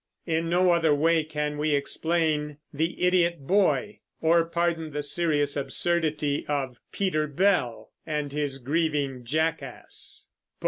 In no other way can we explain "The Idiot Boy," or pardon the serious absurdity of "Peter Bell" and his grieving jackass.